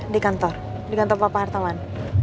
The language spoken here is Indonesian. di kantor di kantor papa hartawan